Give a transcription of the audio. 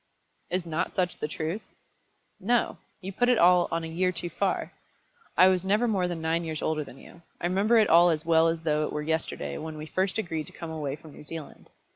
"Is not such the truth?" "No; you put it all on a year too far. I was never more than nine years older than you. I remember it all as well as though it were yesterday when we first agreed to come away from New Zealand.